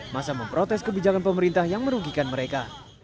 masa memprotes kebijakan pemerintah yang merugikan mereka